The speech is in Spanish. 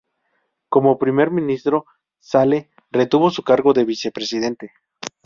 Como Primer ministro Saleh retuvo su cargo de vicepresidente.